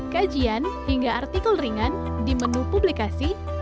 kajian hingga artikel ringan di menu publikasi